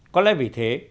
có lẽ vì thế